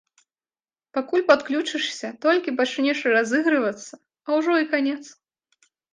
Пакуль падключышся, толькі пачнеш разыгрывацца, а ўжо і канец.